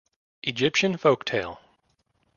Egyptian folk tale.